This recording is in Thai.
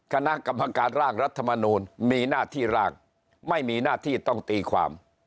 คณะกรรมการร่างรัฐมนูลมีหน้าที่ร่างไม่มีหน้าที่ต้องตีความ